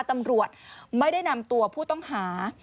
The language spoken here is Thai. ตำรวจไม่ได้นำตัวผู้ต้องหา